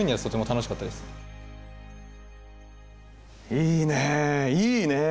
いいねいいねえ。